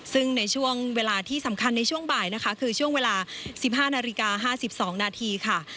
ซึ่งในช่วงเวลาที่สำคัญในช่วงบ่ายนะคะคือช่วงเวลา๑๕นาฬิกา๕๒นาทีค่ะ